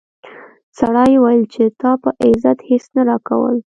سړي وویل چې تا په عزت هیڅ نه راکول.